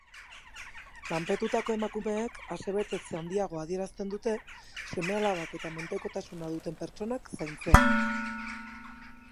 Lanpetutako emakumeek asebetetze handiagoa adierazten dute seme-alabak eta mendekotasuna duten pertsonak zaintzean.